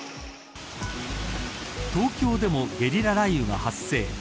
東京でもゲリラ雷雨が発生。